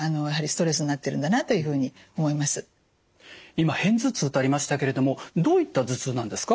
今片頭痛とありましたけれどもどういった頭痛なんですか？